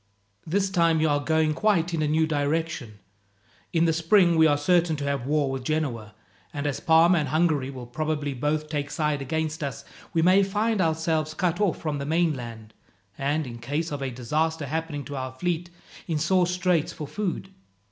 This time you are going quite in a new direction. In the spring we are certain to have war with Genoa, and as Parma and Hungary will probably both take side against us, we may find ourselves cut off from the mainland, and, in case of a disaster happening to our fleet, in sore straits for food.